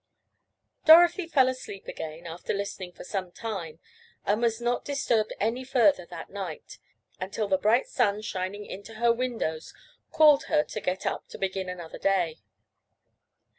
Dorothy fell asleep again, after listening for some time, and was not disturbed any further that night, until the bright sun shining into her windows, called her to get up to begin another day.